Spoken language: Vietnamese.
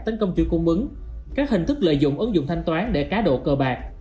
tấn công chủ cung mứng các hình thức lợi dụng ứng dụng thanh toán để cá độ cờ bạc